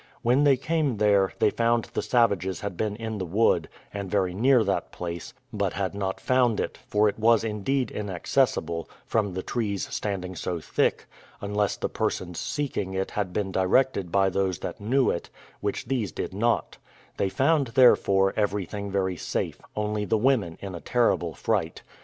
When they came there, they found the savages had been in the wood, and very near that place, but had not found it; for it was indeed inaccessible, from the trees standing so thick, unless the persons seeking it had been directed by those that knew it, which these did not: they found, therefore, everything very safe, only the women in a terrible fright.